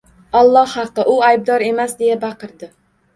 Alloh haqqi, u aybdor emas! — deya bakirdi.